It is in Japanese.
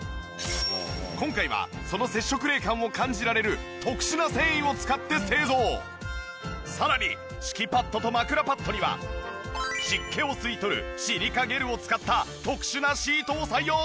今回はその接触冷感を感じられるさらに敷きパッドと枕パッドには湿気を吸い取るシリカゲルを使った特殊なシートを採用。